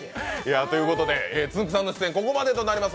つんく♂さんの出演、ここまでとなります。